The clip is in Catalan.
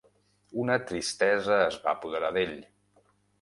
Una tristesa es va apoderar d'ell.